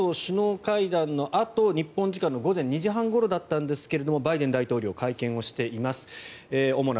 ＮＡＴＯ首脳会議のあと日本時間の２時半ごろだったんですがバイデン大統領会見をしています。